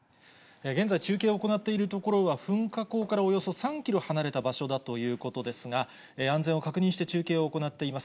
現在、中継を行っている所は、噴火口からおよそ３キロ離れた場所だということですが、安全を確認して中継を行っています。